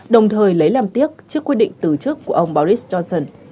đồng thời lấy làm tiếc trước quyết định từ chức của ông boris johnson